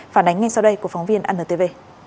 phản ánh ngay sau đây của phóng viên anntv